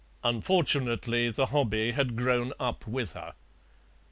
Unfortunately the hobby had grown up with her.